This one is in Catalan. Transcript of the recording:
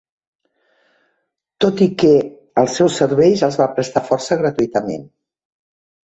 Tot i que els seus serveis els va prestar força gratuïtament.